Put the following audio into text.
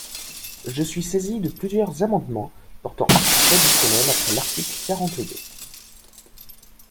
Je suis saisi de plusieurs amendements portant articles additionnels après l’article quarante-deux.